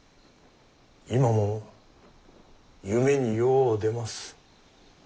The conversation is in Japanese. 今も夢によう出ます。